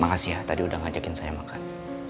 makasih ya tadi udah ngajakin saya makan